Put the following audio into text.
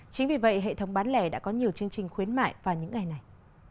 chính vì vậy hệ thống bán lẻ đã có nhiều chương trình khuyến mại vào những ngày này